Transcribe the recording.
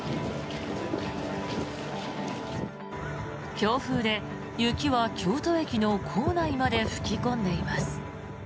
強風で雪は京都駅の構内まで吹き込んでいます。